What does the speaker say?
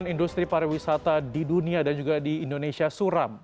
industri pariwisata di dunia dan juga di indonesia suram